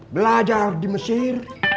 belajar di mesir